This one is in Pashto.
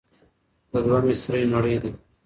دا دوه مسرې نړۍ ده.